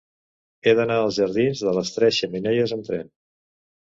He d'anar als jardins de les Tres Xemeneies amb tren.